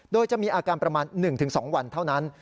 โดยจะมีอาการประมาณ๑๒วันเท่านั้น